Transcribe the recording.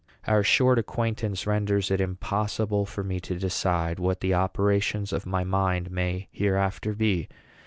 Our short acquaintance renders it impossible for me to decide what the operations of my mind may hereafter be.